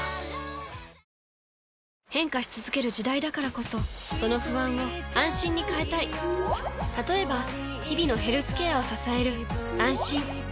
変化し続ける時代だからこそその不安を「あんしん」に変えたい例えば日々のヘルスケアを支える「あんしん」